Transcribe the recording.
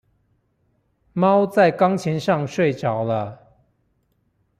貓在鋼琴上睡著了